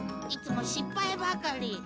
いつも失敗ばかり。